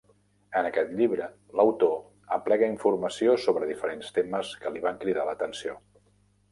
En aquest llibre, l'autor aplega informació sobre diferents temes que li van cridar l'atenció.